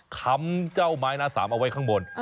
คำเจ้าไม้หน้าสามเอาไว้ข้างบน